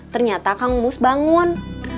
ternyata kang mus bangun